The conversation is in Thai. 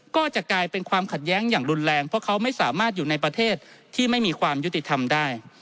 ก็จะกลายเป็นความขัดแย้งอย่างรุนแรงเพราะเขาไม่สามารถอยู่ในประเทศที่ไม่มีความยุติธรรมได้